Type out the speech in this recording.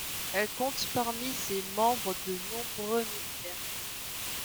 Elle compte parmi ses membres de nombreux militaires.